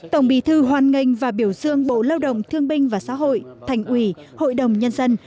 tổng bí thư hoan nghênh và biểu dương bộ lao động thương binh và xã hội thành ủy hội đồng nhân dân